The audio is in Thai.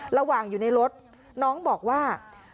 ระหว่างอยู่ในรถน้องบอกว่า